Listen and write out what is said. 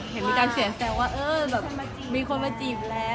เห็นมีการเสียแซวว่าเออแบบมีคนมาจีบแล้ว